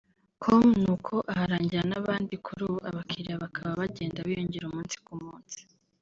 com ni uko aharangira n’abandi kuri ubu abakiriya bakaba bagenda biyongera umunsi ku munsi